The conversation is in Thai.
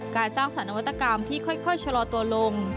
การสร้างสารวัตกรรมที่ค่อยชะลอตัวลง